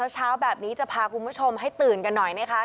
เช้าแบบนี้จะพาคุณผู้ชมให้ตื่นกันหน่อยนะคะ